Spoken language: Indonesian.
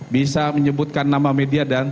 bisa menyebutkan nama media dan